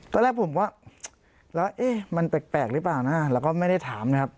ตอนแรกผมก็แล้วเอ๊ะมันแปลกหรือเปล่านะแล้วก็ไม่ได้ถามนะครับ